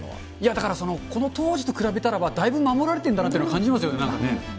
だから、その当時と比べたら、だいぶ守られてるんだなっていうのは感じますよね、なんかね。